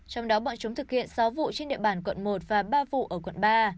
trong đó bọn chúng thực hiện sáu vụ trên địa bàn quận một và ba vụ ở quận ba